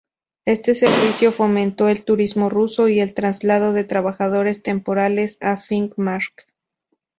Este servicio fomentó el turismo ruso y el traslado de trabajadores temporales a Finnmark.